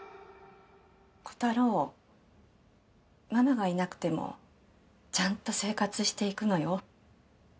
コタローママがいなくてもちゃんと生活していくのよ。